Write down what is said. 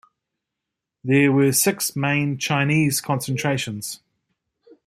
There were six main Chinese concentrations.